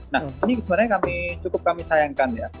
nah ini sebenarnya kami cukup kami sayangkan ya